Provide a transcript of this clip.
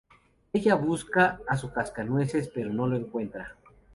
Ella busca a su Cascanueces, pero no lo encuentra.